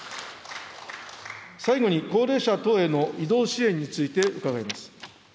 最後に、高齢者等への移動支援について伺います。